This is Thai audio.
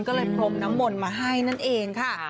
ก็เลยพรมน้ำมนต์มาให้นั่นเองค่ะ